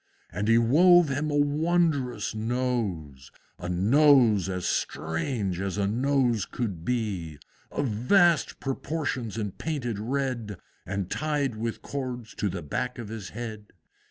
And he wove him a wondrous Nose, A Nose as strange as a Nose could be! Of vast proportions and painted red, And tied with cords to the back of his head.